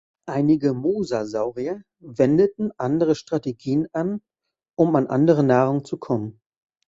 Einige Mosasaurier wendeten andere Strategien an, um an andere Nahrung zu kommen.